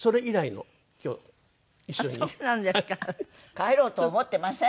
帰ろうと思ってません！